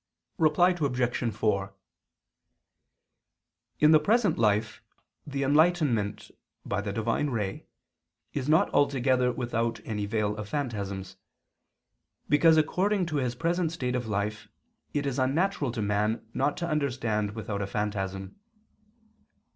Reply Obj. 4: In the present life the enlightenment by the divine ray is not altogether without any veil of phantasms, because according to his present state of life it is unnatural to man not to understand without a phantasm.